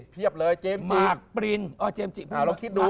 เทียบเลยเจมส์จิปมาร์คปริ้น